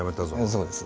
そうです。